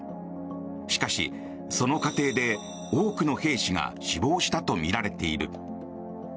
しかし、その過程で多くの兵士が死亡したとみられている。